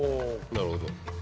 なるほど。